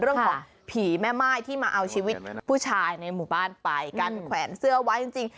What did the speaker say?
เรื่องของผีแม่ม่ายที่มาเอาชีวิตผู้ชายในหมู่บ้านไปกันแขวนเสื้อไว้จริง